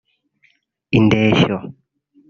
indeshyo